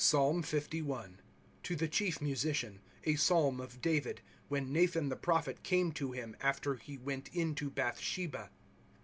PSALM LI To tlie Ciiief Musician. A Psalm of David ; when Nathan the prophet came to him, after he went in to Bathsiieba.